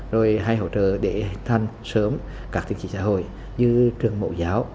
rồi hay hỗ trợ để thanh sớm các tỉnh trị xã hội như trường mẫu giáo